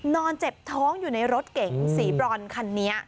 นอนเจ็บท้องอยู่ในรถเก๋งสีบรอนคันนี้